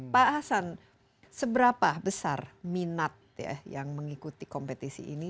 pak hasan seberapa besar minat yang mengikuti kompetisi ini